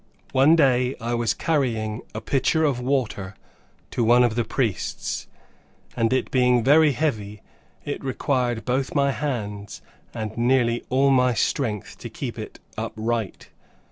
One day I was carrying a pitcher of water to one of the priests, and it being very heavy, it required both my hands and nearly all my strength to keep it upright.